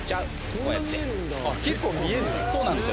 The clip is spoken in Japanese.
こうやってそうなんですよ